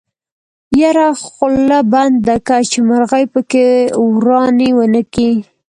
يره خوله بنده که چې مرغۍ پکې ورانی ونکي.